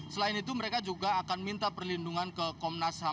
selain itu mereka juga akan minta perlindungan ke komnas ham